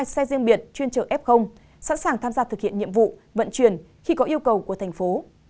hai xe riêng biệt chuyên chở f sẵn sàng tham gia thực hiện nhiệm vụ vận chuyển khi có yêu cầu của thành phố